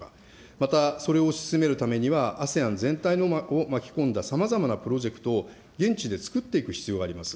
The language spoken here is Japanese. またそれを推し進めるためには、ＡＳＥＡＮ全体を巻き込んださまざまなプロジェクトを現地で作っていく必要があります。